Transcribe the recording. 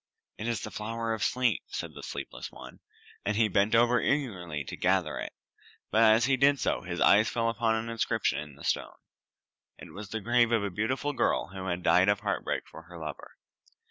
"It is the flower of sleep," said the sleepless one, and he bent over eagerly to gather it; but as he did so his eyes fell upon an inscription on the stone. It was the grave of a beautiful girl who had died of heart break for her lover.